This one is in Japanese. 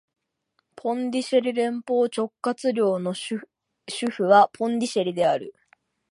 ポンディシェリ連邦直轄領の首府はポンディシェリである